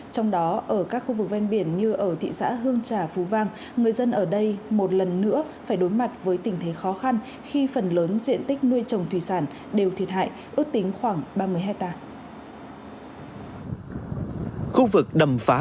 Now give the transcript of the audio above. trong đó ở các khu vực ven biển như ở thị xã hương trà phú vang người dân ở đây một lần nữa phải đối mặt với tình thế khó khăn khi phần lớn diện tích nuôi trồng thủy sản đều thiệt hại ước tính khoảng ba mươi hectare